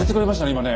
今ね。